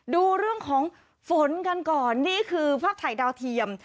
ดูเรื่องของฝนกันก่อนนี่คือภาพถ่ายดาวเทียม